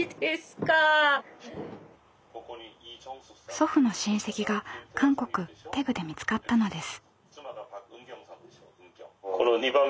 祖父の親戚が韓国テグで見つかったのです。